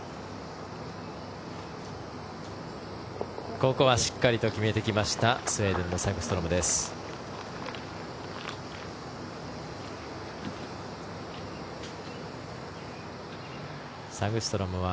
ここはしっかりと決めてきましたスウェーデンのサグストロムです。